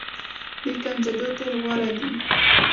د کنجدو تیل غوره دي.